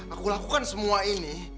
aku lakukan semua ini